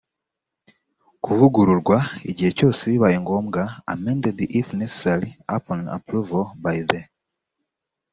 kuvugururwa igihe cyose bibaye ngombwa amended if necessary upon approval by the